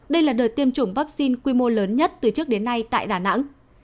đây là đợt tiêm chủng vaccine quy mô lớn nhất từ trước đến nay tại đà nẵng